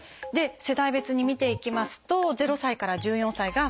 世代別に見ていきますと０歳から１４歳が３８％。